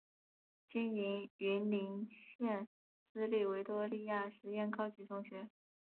经营云林县私立维多利亚实验高级中学。